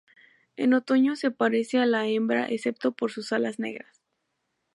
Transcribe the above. En otoño se parece a la hembra excepto por sus alas negras.